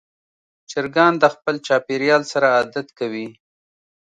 چرګان د خپل چاپېریال سره عادت کوي.